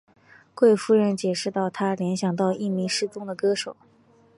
贵夫人解释道她联想到一名失踪的歌手。